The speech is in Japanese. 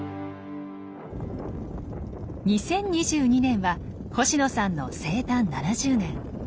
２０２２年は星野さんの生誕７０年。